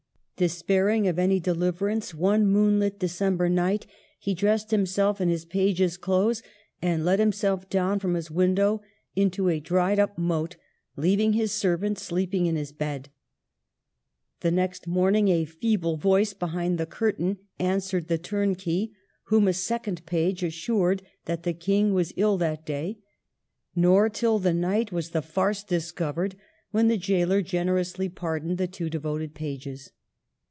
Despairing of any deliverance, one moonlit December night he dressed himself in his page's clothes and let himself down from his window into a dried up moat, leaving his servant sleeping in his bed. The next morning a feeble voice behind the curtains answered the turnkey, whom a second page assured that the King was ill that day ; nor till the night was the farce dis covered, when the jailer generously pardoned the two devoted pages.